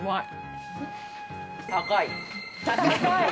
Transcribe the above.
高い。